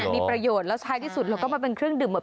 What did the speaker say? มีประโยชน์แล้วท้ายที่สุดเราก็มาเป็นเครื่องดื่มแบบ